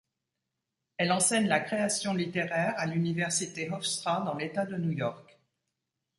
Elle enseigne la création littéraire à l'Université Hofstra dans l'État de New York.